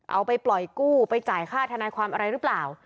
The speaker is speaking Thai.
เอาไปปล่อยกู้ไปจ่ายค่าทนายความอะไรหรือเปล่า